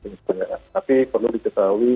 ini setayaan tapi perlu diketahui